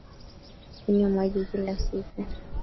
Kunywa maji kila siku